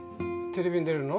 テレビに出るの？